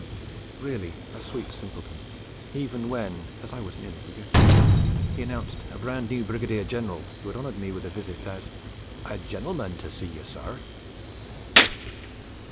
Really a sweet simpleton, even when (as I was nearly forgetting) he announced a brand new Brigadier General, who had honoured me with a visit, as 'A gen'leman to see you, sir!'